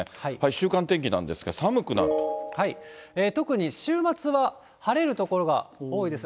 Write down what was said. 週間天気なんですが、特に週末は晴れる所が多いです。